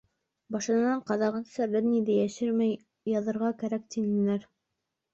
Башынан аҙағынаса бер ни йәшермәй яҙырға кәрәк, тинеләр.